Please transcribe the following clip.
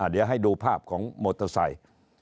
เดี๋ยวให้ดูภาพของมอเตอร์ไซค์